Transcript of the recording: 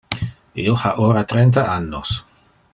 Io ha ora trenta annos.